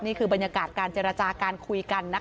นี่คือบรรยากาศการเจรจาการคุยกันนะคะ